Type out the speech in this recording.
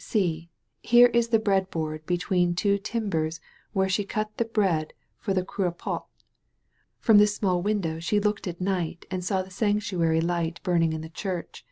'*See, here is the bread board between two tim bers where she cut the bread for the cr(y(Ue au pot. From this small window she looked at night and saw the sanctuary light burning in the church.